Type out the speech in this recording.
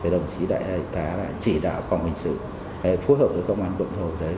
đồng chí đại tá trị đạo phòng hình sự phối hợp với công an quận cầu giấy